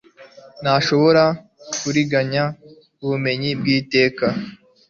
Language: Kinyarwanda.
Ntashobora kuriganya ubumenyi bwiteka